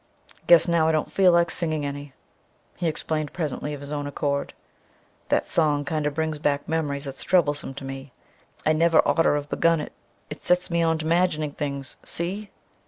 "Guess now I don't feel like singing any," he explained presently of his own accord. "That song kinder brings back memories that's troublesome to me; I never oughter've begun it. It sets me on t' imagining things, see?"